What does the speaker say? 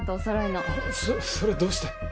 そそれはどうして？